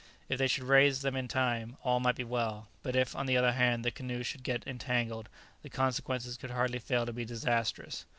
If they should raise them in time, all might be well, but if, on the other hand, the canoe should get entangled, the consequences could hardly fail to be disastrous.